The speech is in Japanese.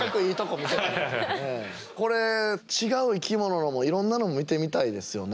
これ違う生きもののもいろんなの見てみたいですよね。